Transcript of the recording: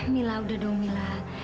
mila udah dong mila